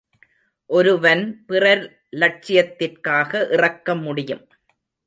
ஒருவன் பிறர் லட்சியத்திற்காக இறக்க முடியும்.